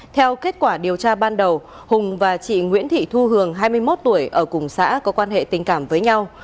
theo kết quả điều tra ban đầu hùng và chị nguyễn thị thu hường hai mươi một tuổi ở cùng xã có quan hệ tình cảm với nhau